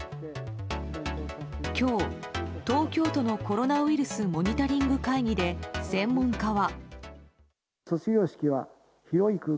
今日、東京都のコロナウイルスモニタリング会議で専門家は。